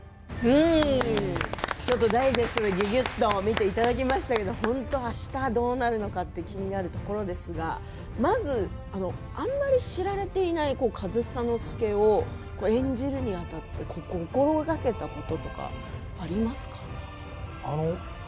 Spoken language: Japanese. ちょっとダイジェストでぎゅぎゅっと見ていただきましたけど本当にあしたどうなるのか気になるところですがまず、あまり知られていない上総介を演じるにあたって心がけたこととかありますか？